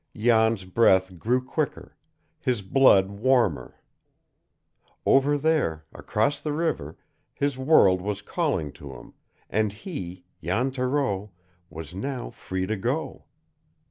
Jan's breath grew quicker, his blood warmer. Over there across the river his world was calling to him, and he, Jan Thoreau, was now free to go.